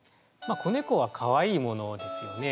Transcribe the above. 子猫はかわいいものですよね。